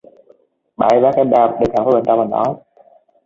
bà ấy vác cái bao đi thẳng vào bên trong và nói